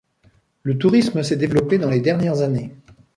Le tourisme s'est développé dans les dernières années.